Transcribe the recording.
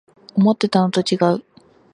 思ってたのとちがう